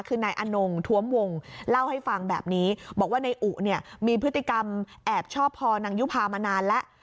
คือนายอนงท้วมวงเล่าให้ฟังแบบนี้บอกว่านายอุเนี่ยมีพฤติกรรมแอบชอบพอนางยุภามานานแล้ว